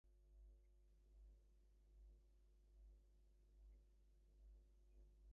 জানতে চাইলে মন্দিরে অগ্নিসংযোগের কথা নিশ্চিত করেন হাতিয়া থানার ভারপ্রাপ্ত কর্মকর্তা ফজলে রাব্বি।